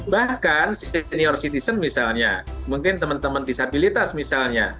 bahkan senior citizen misalnya mungkin teman teman disabilitas misalnya